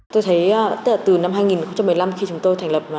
tôi thấy từ năm hai nghìn một mươi năm khi chúng tôi thành lập